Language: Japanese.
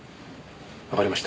わかりました。